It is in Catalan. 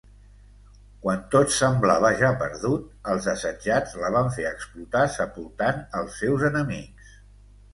Quan tot semblava ja perdut, els assetjats la van fer explotar sepultant els seus enemics.